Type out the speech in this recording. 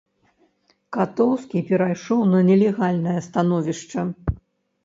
Катоўскі перайшоў на нелегальнае становішча.